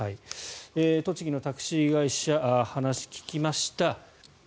栃木のタクシー会社話を聞きました。